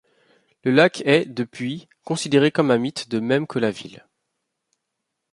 Le lac est, depuis, considéré comme un mythe de même que la ville.